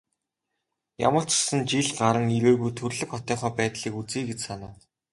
Ямар ч гэсэн жил гаран ирээгүй төрөлх хотынхоо байдлыг үзье гэж санав.